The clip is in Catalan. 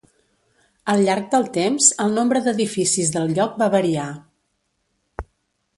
Al llarg del temps, el nombre d'edificis del lloc va variar.